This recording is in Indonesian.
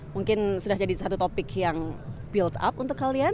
mungkin sudah jadi satu topik yang build up untuk kalian